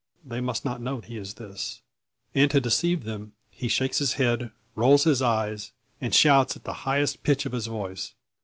They must not know he is this; and to deceive them he shakes his head, rolls his eyes, and shouts at the highest pitch of his voice.